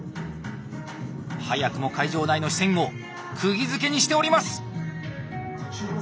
早くも会場内の視線をくぎづけにしております。